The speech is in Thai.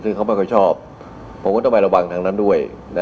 ซึ่งเขาไม่ค่อยชอบผมก็ต้องไประวังทางนั้นด้วย